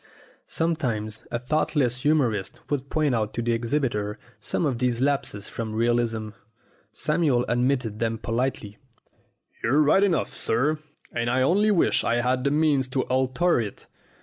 Sometimes a thoughtless humorist would point out to the exhibitor some of these lapses from realism. Samuel admitted them politely. "You're right enough, sir, and I only wish I had the means to alter it.